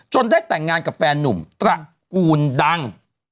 ได้แต่งงานกับแฟนนุ่มตระกูลดัง